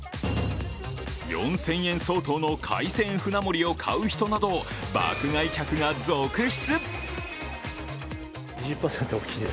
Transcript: ４０００円相当の海鮮舟盛りを買う人など爆買い客が続出。